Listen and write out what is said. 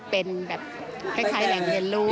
เป็นแบบคล้ายแหล่งเรียนรู้